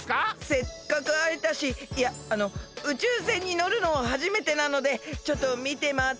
せっかくあえたしいやあの宇宙船にのるのはじめてなのでちょっとみてまわっていいですか？